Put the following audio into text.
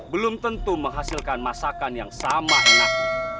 belum tentu menghasilkan masakan yang sama enak